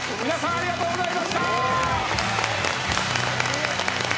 ありがとうございます。